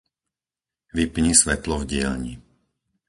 Vypni svetlo v dielni.